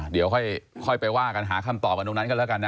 เดี๋ยวค่อยไปว่ากันหาคำตอบกันตรงนั้นกันแล้วกันนะ